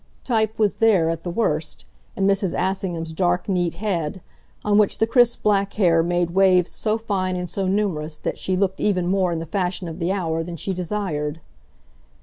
Type was there, at the worst, in Mrs. Assingham's dark, neat head, on which the crisp black hair made waves so fine and so numerous that she looked even more in the fashion of the hour than she desired.